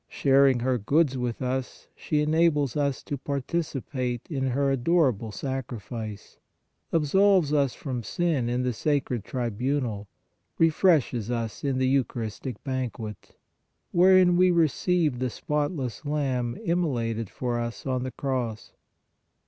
Sharing her goods with us, she enables us to participate in her adorable Sacrifice, absolves us from sin in the sacred tribunal, refreshes us in the Eucharistic Banquet, wherein we receive the i88 PRAYER spotless Lamb immolated for us on the cross.